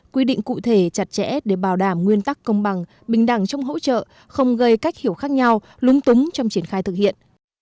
quy định cụ thể chặt chẽ để bảo đảm nguyên tắc công bằng bình đẳng trong hỗ trợ không gây cách hiểu khác nhau lúng túng trong triển khai thực hiện